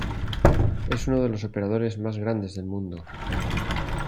Es uno de los operadores más grandes del mundo.